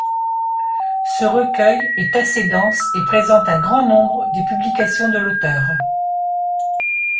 Ce recueil est assez dense et présente un grand nombre des publications de l'auteur.